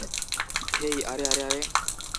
হেই, আরে, আরে, আরে!